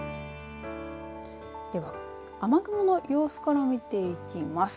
では雨雲の様子から見ていきます。